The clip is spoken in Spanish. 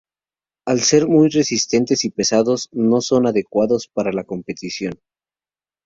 Al ser muy resistentes y pesados, no son adecuados para la competición.